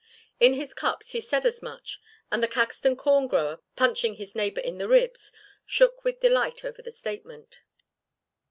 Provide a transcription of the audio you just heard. In his cups he said as much and the Caxton corn grower, punching his neighbour in the ribs, shook with delight over the statement.